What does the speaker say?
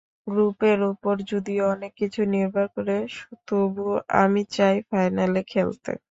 গ্রুপের ওপর যদিও অনেক কিছু নির্ভর করবে, তবু আমি চাই ফাইনালে খেলতে।